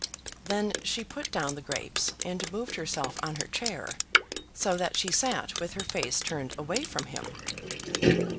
Then she put down the grapes, and moved herself on her chair, so that she sat with her face turned away from him.